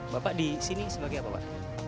bapak disini sebagai apa pak